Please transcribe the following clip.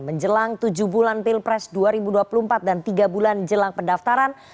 menjelang tujuh bulan pilpres dua ribu dua puluh empat dan tiga bulan jelang pendaftaran